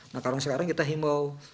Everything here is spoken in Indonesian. nah sekarang kita himau